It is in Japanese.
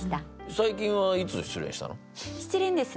最近はいつ失恋したの？